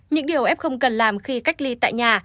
những điều f không cần làm khi cách ly tại nhà